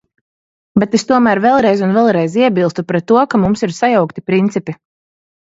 Bet es tomēr vēlreiz un vēlreiz iebilstu pret to, ka mums ir sajaukti principi.